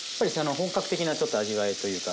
本格的なちょっと味わいというか。